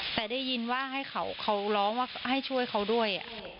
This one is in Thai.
แต่ได้ยินว่าให้เขาร้องว่าให้ช่วยเขาด้วย